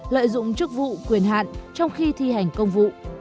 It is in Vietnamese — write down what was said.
lợi dụng chức vụ quyền hạn trong khi thi hành công vụ